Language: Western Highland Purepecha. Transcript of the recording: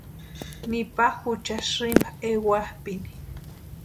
Nipa jucha sïmpa ewapʼini.